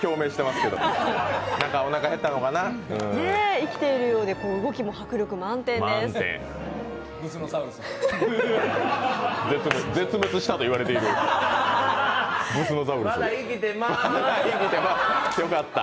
生きているようで動きも迫力満点です。